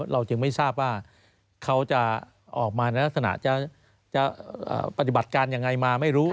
เราจึงไม่ทราบว่าเขาจะออกมาในลักษณะจะปฏิบัติการยังไงมาไม่รู้